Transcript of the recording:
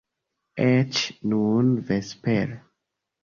Eĉ nun, vespere.